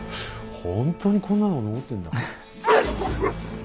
ほんとにこんなの残ってんだ。